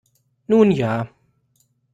Nun ja.